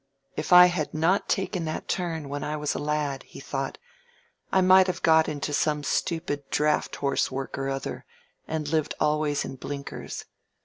"If I had not taken that turn when I was a lad," he thought, "I might have got into some stupid draught horse work or other, and lived always in blinkers.